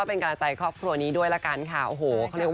แต่ว่าถ้าเกิดว่าไปทำให้ใครรู้สึกไม่ดี